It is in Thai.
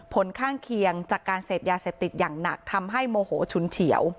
ผลข้างเคียงจากการเสพยาเสพติดอย่างหนักทำให้โมโหฉุนเฉียว